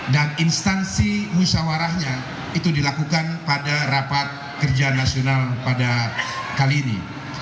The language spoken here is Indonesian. dan instansi musyawarahnya itu dilakukan pada rapat kerja nasional pada kali ini